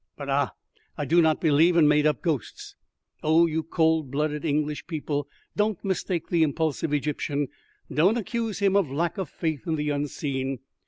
But, ah! I do not believe in made up ghosts. Oh, you cold blooded English people, don't mistake the impulsive Egyptian; don't accuse him of lack of faith in the unseen.